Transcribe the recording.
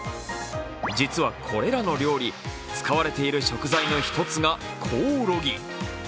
実はこれらの料理使われている食材の１つがコオロギ。